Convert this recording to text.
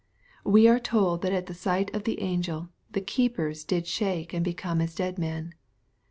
We are told that at the sight of the angel, " the keepers did shake and become as dead men.''